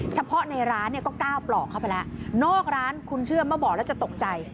เฉพาะในร้านเนี่ยก็๙ปลอกเข้าไปแล้วนอกร้านคุณเชื่อเมื่อบอกแล้วจะตกใจ